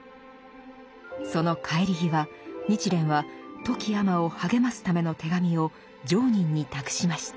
その帰り際日蓮は富木尼を励ますための手紙を常忍に託しました。